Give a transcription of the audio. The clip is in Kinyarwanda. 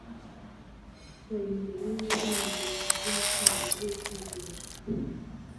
twayimerera nabi mu gihe tugize umutima wuzuye kwizera,